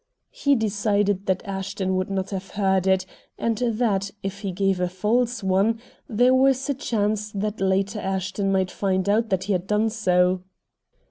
He decided that Ashton would not have heard it and that, if he gave a false one, there was a chance that later Ashton might find out that he had done so.